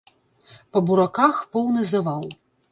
Па бураках поўны завал.